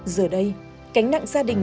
giờ đây cánh nặng gia đình